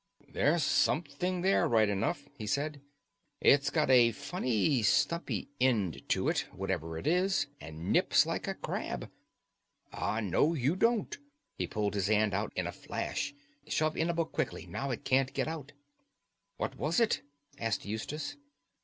"There's something there right enough," he said. "It's got a funny stumpy end to it, whatever it is, and nips like a crab. Ah, no, you don't!" He pulled his hand out in a flash. "Shove in a book quickly. Now it can't get out." "What was it?" asked Eustace.